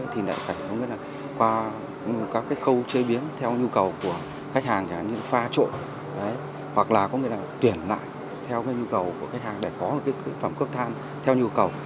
thì lại phải qua các khâu chế biến theo nhu cầu của khách hàng như pha trộn hoặc là tuyển lại theo nhu cầu của khách hàng để có phẩm cấp than theo nhu cầu